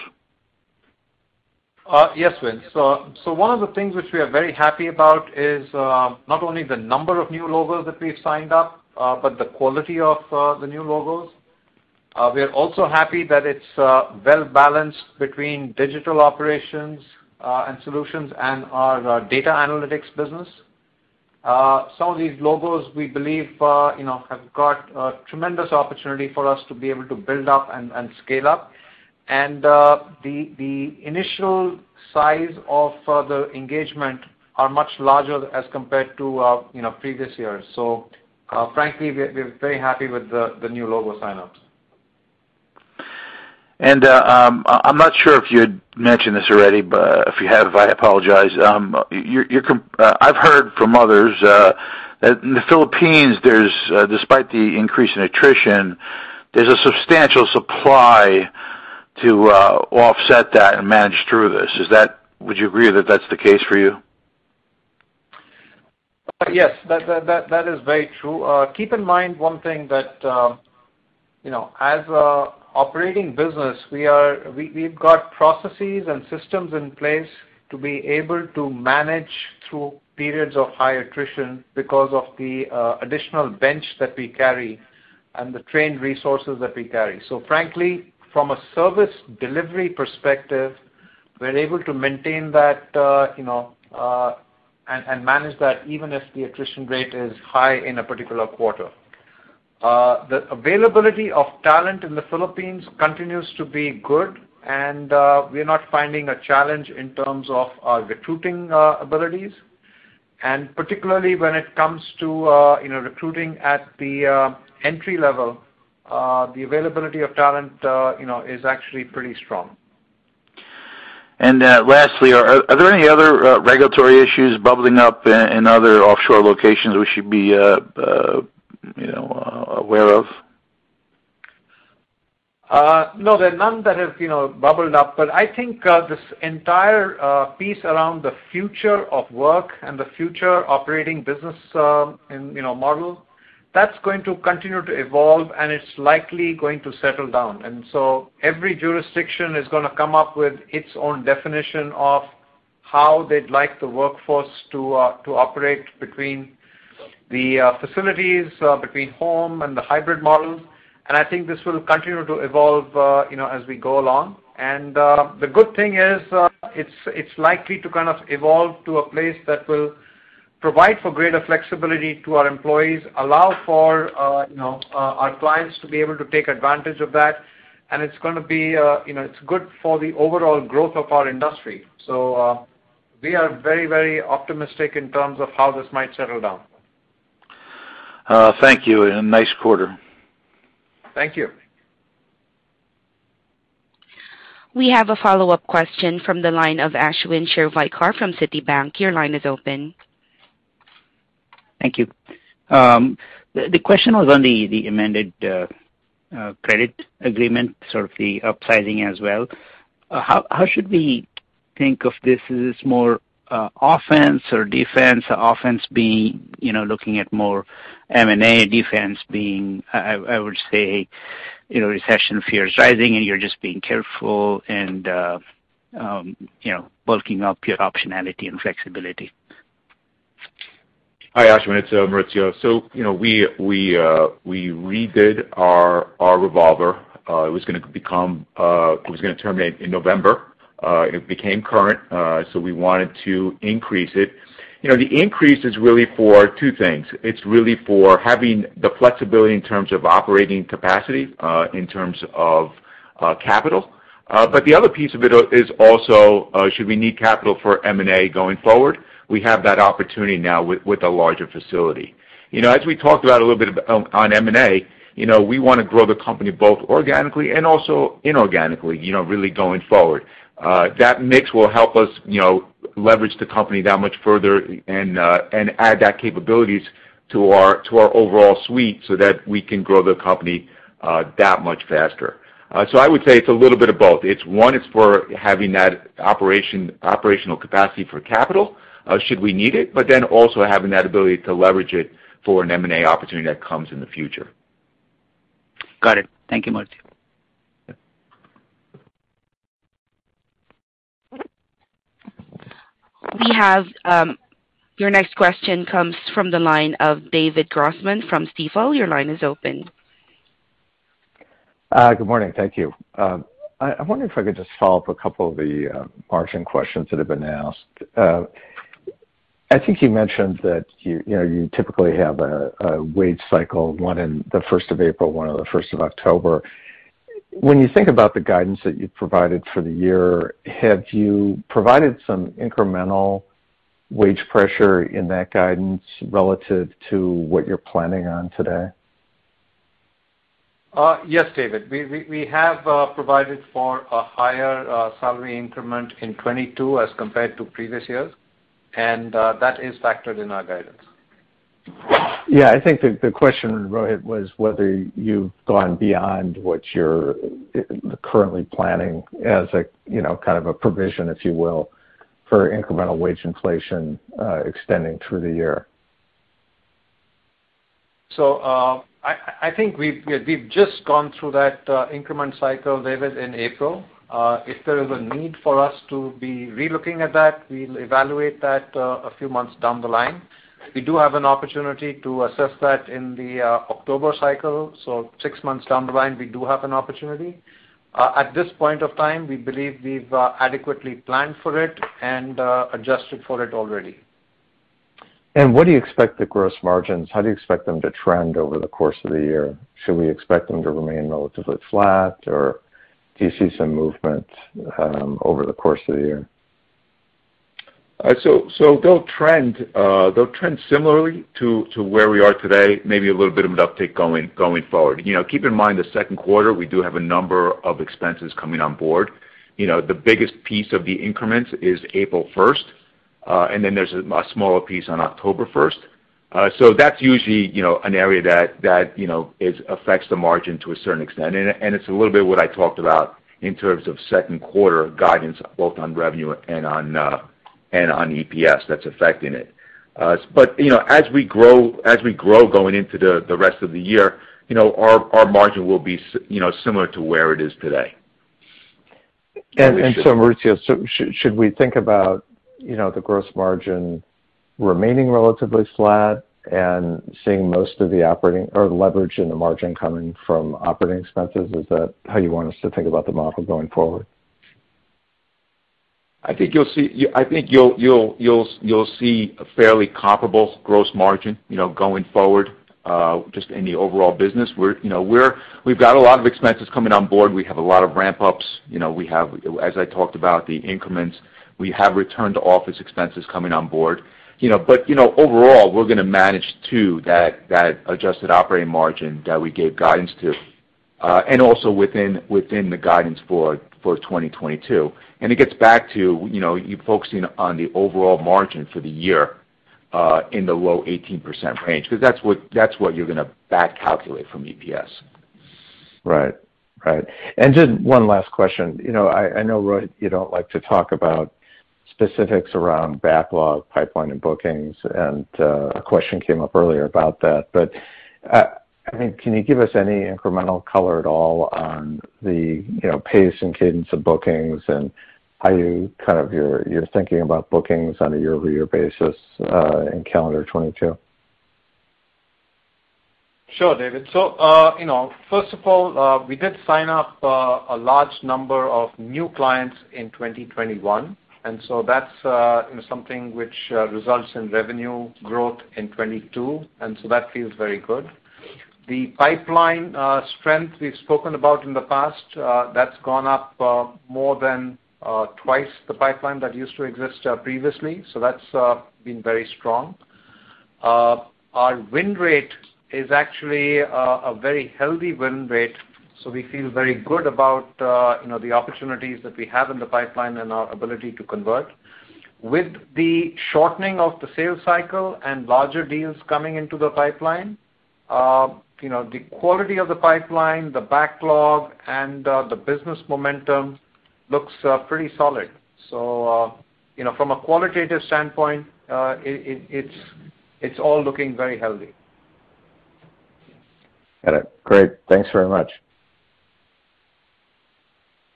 Yes, Vince. One of the things which we are very happy about is not only the number of new logos that we've signed up, but the quality of the new logos. We are also happy that it's well-balanced between digital operations and solutions and our data analytics business. Some of these logos we believe you know have got a tremendous opportunity for us to be able to build up and scale up. The initial size of the engagement are much larger as compared to you know previous years. Frankly, we're very happy with the new logo sign-ups. I'm not sure if you'd mentioned this already, but if you have, I apologize. I've heard from others that in the Philippines, despite the increase in attrition, there's a substantial supply to offset that and manage through this. Would you agree that that's the case for you? Yes. That is very true. Keep in mind one thing that, you know, as a operating business, we've got processes and systems in place to be able to manage through periods of high attrition because of the additional bench that we carry and the trained resources that we carry. Frankly, from a service delivery perspective, we're able to maintain that, you know, and manage that even if the attrition rate is high in a particular quarter. The availability of talent in the Philippines continues to be good, and we are not finding a challenge in terms of our recruiting abilities. Particularly when it comes to, you know, recruiting at the entry level, the availability of talent, you know, is actually pretty strong. Lastly, are there any other regulatory issues bubbling up in other offshore locations we should be, you know, aware of? No, there are none that have, you know, bubbled up. I think this entire piece around the future of work and the future operating business, and, you know, model, that's going to continue to evolve, and it's likely going to settle down. Every jurisdiction is gonna come up with its own definition of how they'd like the workforce to operate between the facilities, between home and the hybrid model. I think this will continue to evolve, you know, as we go along. The good thing is, it's likely to kind of evolve to a place that will provide for greater flexibility to our employees, allow for, you know, our clients to be able to take advantage of that, and it's gonna be, you know, it's good for the overall growth of our industry. We are very, very optimistic in terms of how this might settle down. Thank you, and nice quarter. Thank you. We have a follow-up question from the line of Ashwin Shirvaikar from Citibank. Your line is open. Thank you. The question was on the amended credit agreement, sort of the upsizing as well. How should we think of this? Is this more offense or defense? Offense being, you know, looking at more M&A, defense being, I would say, you know, recession fear is rising, and you're just being careful and, you know, bulking up your optionality and flexibility. Hi, Ashwin, it's Maurizio. You know, we redid our revolver. It was gonna become, it was gonna terminate in November. It became current, so we wanted to increase it. You know, the increase is really for two things. It's really for having the flexibility in terms of operating capacity, in terms of capital. But the other piece of it is also, should we need capital for M&A going forward, we have that opportunity now with a larger facility. You know, as we talked about a little bit on M&A, you know, we wanna grow the company both organically and also inorganically, you know, really going forward. That mix will help us, you know, leverage the company that much further and add those capabilities to our overall suite so that we can grow the company that much faster. I would say it's a little bit of both. It's one, it's for having that operational capacity for capital should we need it, but then also having that ability to leverage it for an M&A opportunity that comes in the future. Got it. Thank you, Maurizio. Yeah. We have, Your next question comes from the line of David Grossman from Stifel. Your line is open. Good morning. Thank you. I wonder if I could just follow up a couple of the margin questions that have been asked. I think you mentioned that you know you typically have a wage cycle, one in the 1st of April, one on the 1st of October. When you think about the guidance that you've provided for the year, have you provided some incremental wage pressure in that guidance relative to what you're planning on today? Yes, David. We have provided for a higher salary increment in 2022 as compared to previous years, and that is factored in our guidance. Yeah. I think the question, Rohit, was whether you've gone beyond what you're currently planning as a, you know, kind of a provision, if you will, for incremental wage inflation extending through the year. I think we've just gone through that increment cycle, David, in April. If there is a need for us to be relooking at that, we'll evaluate that a few months down the line. We do have an opportunity to assess that in the October cycle, so six months down the line we do have an opportunity. At this point of time, we believe we've adequately planned for it and adjusted for it already. What do you expect the gross margins, how do you expect them to trend over the course of the year? Should we expect them to remain relatively flat, or do you see some movement over the course of the year? They'll trend similarly to where we are today, maybe a little bit of an uptick going forward. You know, keep in mind, the second quarter, we do have a number of expenses coming on board. You know, the biggest piece of the increments is April 1st, and then there's a smaller piece on October 1st. That's usually, you know, an area that affects the margin to a certain extent. It's a little bit what I talked about in terms of second quarter guidance, both on revenue and on EPS that's affecting it. You know, as we grow going into the rest of the year, you know, our margin will be similar to where it is today. Maurizio, should we think about, you know, the gross margin remaining relatively flat and seeing most of the operating leverage in the margin coming from operating expenses? Is that how you want us to think about the model going forward? I think you'll see a fairly comparable gross margin, you know, going forward, just in the overall business. We're, you know, we've got a lot of expenses coming on board. We have a lot of ramp-ups. You know, we have, as I talked about, the increments. We have return-to-office expenses coming on board. You know, but, you know, overall, we're gonna manage to that adjusted operating margin that we gave guidance to, and also within the guidance for 2022. It gets back to, you know, you focusing on the overall margin for the year, in the low 18% range 'cause that's what you're gonna back calculate from EPS. Right. Just one last question. You know, I know, Rohit, you don't like to talk about specifics around backlog, pipeline, and bookings, and a question came up earlier about that. I mean, can you give us any incremental color at all on the, you know, pace and cadence of bookings and how you're thinking about bookings on a year-over-year basis, in calendar 2022? Sure, David. You know, first of all, we did sign up a large number of new clients in 2021, and so that's, you know, something which results in revenue growth in 2022, and so that feels very good. The pipeline strength we've spoken about in the past, that's gone up more than twice the pipeline that used to exist previously, so that's been very strong. Our win rate is actually a very healthy win rate, so we feel very good about, you know, the opportunities that we have in the pipeline and our ability to convert. With the shortening of the sales cycle and larger deals coming into the pipeline, you know, the quality of the pipeline, the backlog, and the business momentum looks pretty solid. You know, from a qualitative standpoint, it's all looking very healthy. Got it. Great. Thanks very much.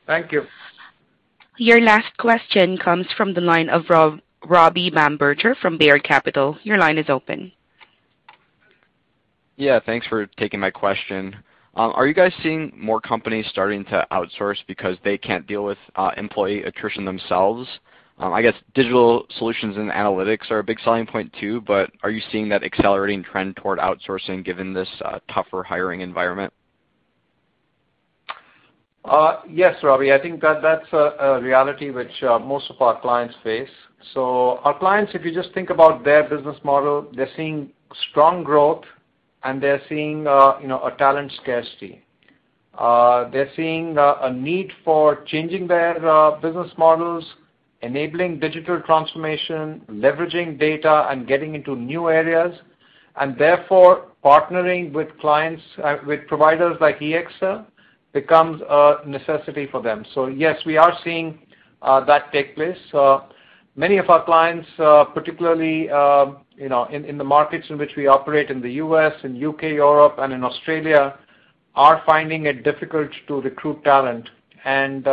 Thank you. Your last question comes from the line of Robbie Bamberger from Baird Capital. Your line is open. Yeah, thanks for taking my question. Are you guys seeing more companies starting to outsource because they can't deal with employee attrition themselves? I guess digital solutions and analytics are a big selling point too, but are you seeing that accelerating trend toward outsourcing given this tougher hiring environment? Yes, Robbie. I think that's a reality which most of our clients face. Our clients, if you just think about their business model, they're seeing strong growth and they're seeing, you know, a talent scarcity. They're seeing a need for changing their business models, enabling digital transformation, leveraging data and getting into new areas, and therefore partnering with providers like EXL becomes a necessity for them. Yes, we are seeing that take place. Many of our clients, particularly, you know, in the markets in which we operate in the U.S. and U.K., Europe and in Australia, are finding it difficult to recruit talent and,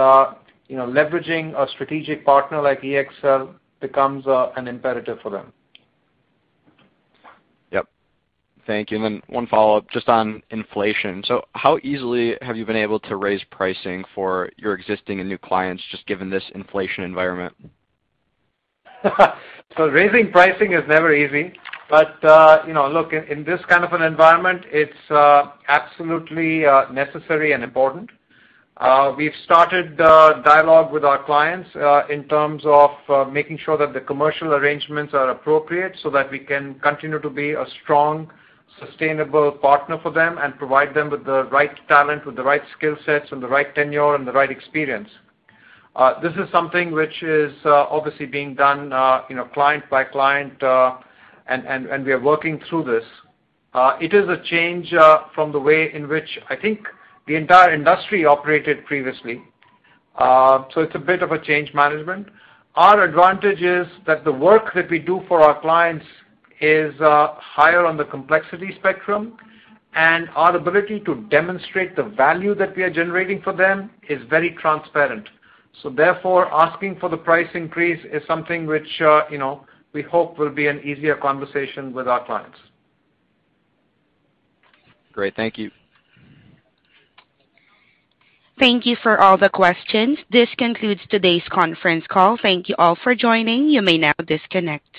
you know, leveraging a strategic partner like EXL becomes an imperative for them. Yep. Thank you. One follow-up just on inflation. How easily have you been able to raise pricing for your existing and new clients just given this inflation environment? Raising pricing is never easy, but, you know, look, in this kind of an environment, it's absolutely necessary and important. We've started the dialogue with our clients, in terms of, making sure that the commercial arrangements are appropriate so that we can continue to be a strong, sustainable partner for them and provide them with the right talent, with the right skill sets and the right tenure and the right experience. This is something which is obviously being done, you know, client by client, and we are working through this. It is a change from the way in which I think the entire industry operated previously. It's a bit of a change management. Our advantage is that the work that we do for our clients is higher on the complexity spectrum, and our ability to demonstrate the value that we are generating for them is very transparent. Therefore, asking for the price increase is something which, you know, we hope will be an easier conversation with our clients. Great. Thank you. Thank you for all the questions. This concludes today's conference call. Thank you all for joining. You may now disconnect.